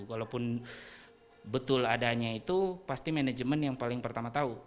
kalaupun betul adanya itu pasti manajemen yang paling pertama tahu